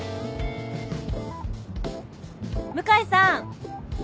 向井さん！